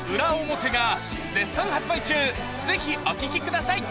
ぜひお聴きください